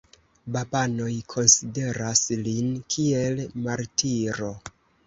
Babanoj konsideras lin kiel martiro.